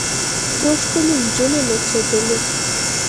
څو ښکلې نجونې نڅېدلې.